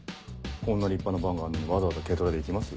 こんな立派なバンがあるのにわざわざ軽トラで行きます？